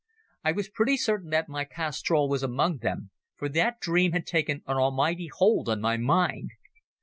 I was pretty certain that my castrol was among them, for that dream had taken an almighty hold on my mind.